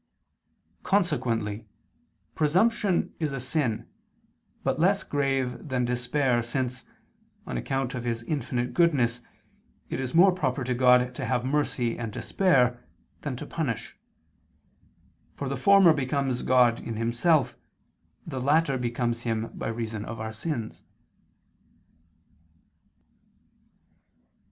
Consequently presumption is a sin, but less grave than despair, since, on account of His infinite goodness, it is more proper to God to have mercy and to spare, than to punish: for the former becomes God in Himself, the latter becomes Him by reason of our sins.